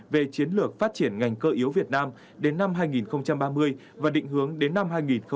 về chiến lược phát triển ngành cơ yếu việt nam đến năm hai nghìn ba mươi và định hướng đến năm hai nghìn bốn mươi